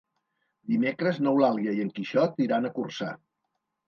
Dimecres n'Eulàlia i en Quixot iran a Corçà.